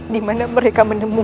di mana mereka menemukan